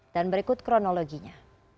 dan berikut kronologinya